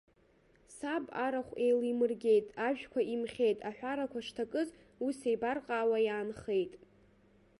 Саб арахә еилимыргеит, ажәқәа имхьеит, аҳәарақәа шҭакыз, ус еибарҟаауа иаанхеит.